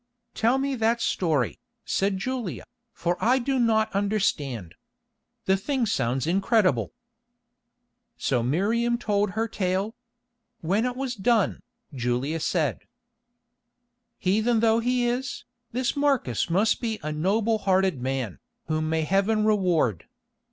"Tell me that story," said Julia, "for I do not understand. The thing sounds incredible." So Miriam told her tale. When it was done, Julia said: "Heathen though he is, this Marcus must be a noble hearted man, whom may Heaven reward."